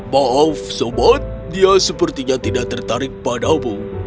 maaf sobat dia sepertinya tidak tertarik padamu